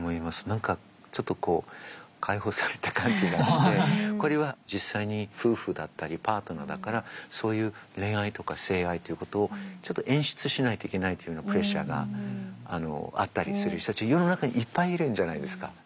何かちょっとこう解放された感じがしてこれは実際に夫婦だったりパートナーだからそういう恋愛とか性愛ということをちょっと演出しないといけないというようなプレッシャーがあったりする人たち世の中にいっぱいいるんじゃないですか。